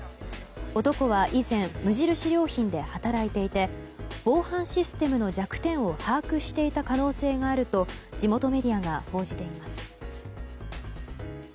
男は以前、無印良品で働いていて防犯システムの弱点を把握していた可能性があると地元メディアが報じています。